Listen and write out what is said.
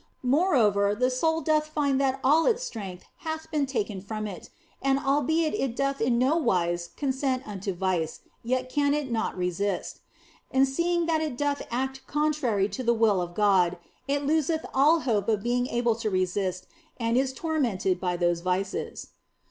Moreover, the soul doth find that all its strength hath been taken from it, and albeit it doth in no wise con sent unto vice, yet can it not resist. And seeing that it doth act contrary to the will of God, it loseth all hope of being able to resist and is tormented by those vices.